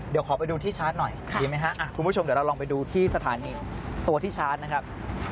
เดี๋ยวขอไปดูที่ชาร์จหน่อยดีไหมฮะคุณผู้ชมเดี๋ยวเราลองไปดูที่สถานีตัวที่ชาร์จนะครับ